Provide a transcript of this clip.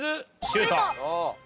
シュート！